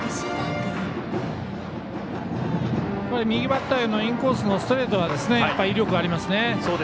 右バッターへのインコースのストレートは、威力がありますね。